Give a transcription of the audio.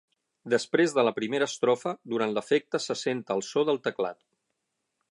Després de la primera estrofa, durant l'efecte se sent el so del teclat.